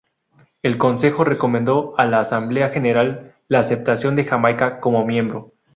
El Consejo recomendó a la Asamblea General la aceptación de Jamaica como miembro.